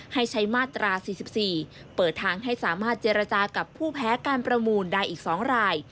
ให้ใช้มาตรา๔๔เปิดทางให้สามารถเจรจากับผู้แพ้การประมูลได้อีก๒ราย